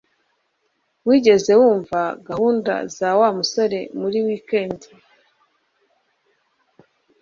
Wigeze wumva gahunda za Wa musore muri wikendi